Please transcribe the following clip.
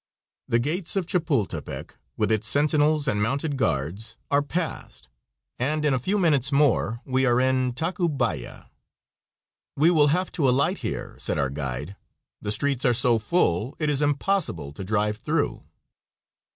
The gates of Chapultepec, with its sentinels and mounted guards, are passed, and in a few minutes more we are in Tacubaya. "We will have to alight here," said our guide. "The streets are so full it is impossible to drive through."